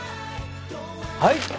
はい！